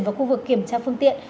vào khu vực kiểm tra phương tiện